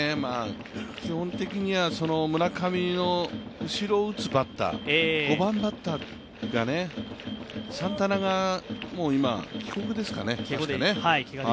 基本的には村上の後ろを打つバッター、５番バッターがサンタナが今、帰国ですかね。